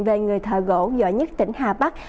về người thợ gỗ giỏi nhất tỉnh hà bắc